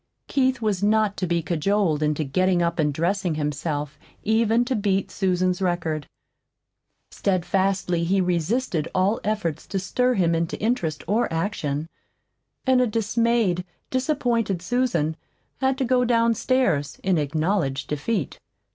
Keith was not to be cajoled into getting up and dressing himself even to beat Susan's record. Steadfastly he resisted all efforts to stir him into interest or action; and a dismayed, disappointed Susan had to go downstairs in acknowledged defeat.